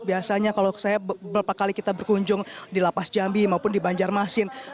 biasanya kalau saya beberapa kali kita berkunjung di lapas jambi maupun di banjarmasin